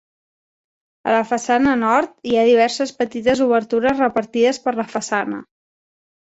A la façana nord, hi ha diverses petites obertures repartides per la façana.